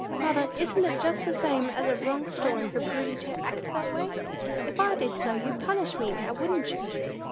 Mother, isn't it just the same as a wrong story for Prudy to act that way? If I did so, you'd punish me; now, wouldn't you?"